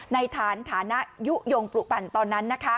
ในฐานฐานายุโยงปรุปันตอนนั้น